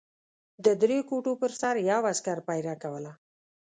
د درې کوټو پر سر یو عسکر پېره کوله.